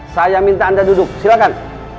saya minta anda duduk silahkan